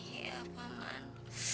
iya pak man